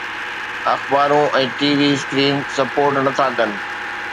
اخبارون ۽ T V screen support نٿا ڪن